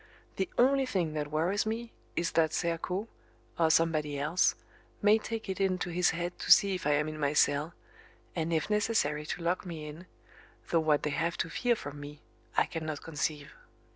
The only thing that worries me is that Serko, or somebody else may take it into his head to see if I am in my cell, and if necessary to lock me in, though what they have to fear from me I cannot conceive.